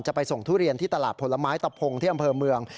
จะไปส่งทุเรียนที่ตลาดผลไม้ตะพงที่อำเภอเมือง